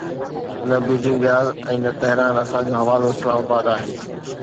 نه Beijing Riyadh ۽ نه Tehran, اسان جو حوالو اسلام آباد آهي.